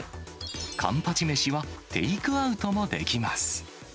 カンパチ飯はテイクアウトもできます。